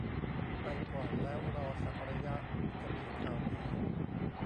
ไปก่อนแล้วรอสักระยะจะมีข่าวดี